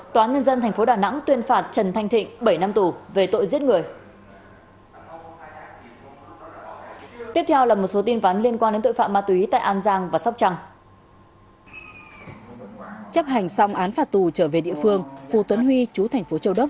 tòa án nhân dân tp đà nẵng tuyên phạt trần thanh thịnh bảy năm tù về tội giết người